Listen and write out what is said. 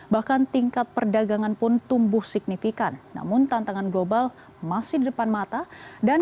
bahkan tingkat perdagangan pun tumbuh signifikan namun tantangan global masih di depan mata dan